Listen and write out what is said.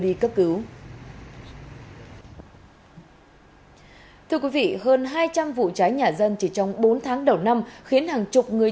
đi cấp cứu thưa quý vị hơn hai trăm linh vụ trái nhà dân chỉ trong bốn tháng đầu năm khiến hàng chục người